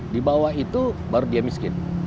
di bawah itu baru dia miskin